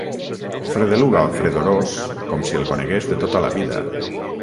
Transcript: Fredeluga o Fredorós com si el conegués de tota la vida.